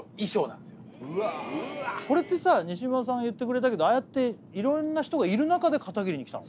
これってさ西島さん言ってくれたけどああやって色んな人がいる中で片桐に来たの？